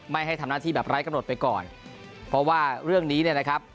ให้ทำหน้าที่แบบไร้กำหนดไปก่อนเพราะว่าเรื่องนี้เนี่ยนะครับ